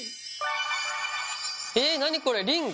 え何これリング？